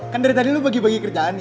kan dari tadi lo bagi bagi kerjaan nih